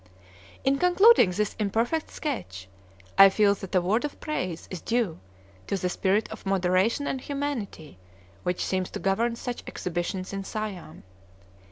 In concluding this imperfect sketch, I feel that a word of praise is due to the spirit of moderation and humanity which seems to govern such exhibitions in Siam.